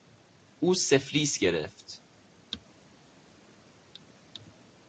او سفلیس گرفت.